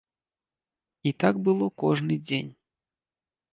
І так было кожны дзень.